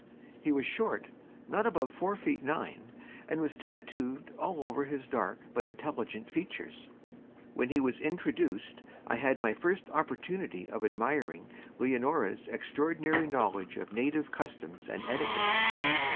He was short not above four feet nine and was tattooed all over his dark but intelligent features. When he was introduced I had my first opportunity of admiring Leonora's extraordinary knowledge of native customs and etiquette.